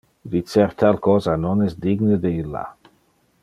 Dicer tal cosa non es digne de illa.